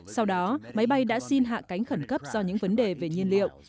sau đó máy bay đã xin hạ cánh khẩn cấp do những vấn đề về nhiên liệu